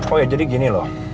oh ya jadi gini loh